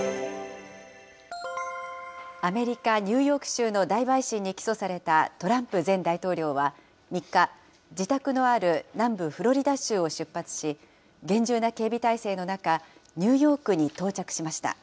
アメリカ・ニューヨーク州の大陪審に起訴されたトランプ前大統領は３日、自宅のある南部フロリダ州を出発し、厳重な警備態勢の中、ニューヨークに到着しました。